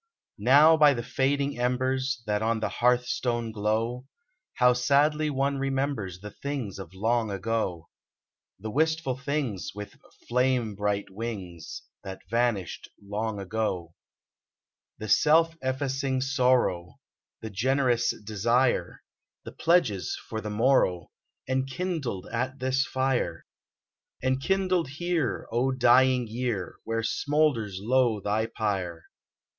Now by the fading embers That on the hearthstone glow, How sadly one remembers The things of long ago : The wistful things, with flame bright wings, That vanished long ago ! 125 RENEWAL The self effacing sorrow, The generous desire, The pledges for the morrow. Enkindled at this fire !— Enkindled here, O dying year ! Where smoulders low thy pyre.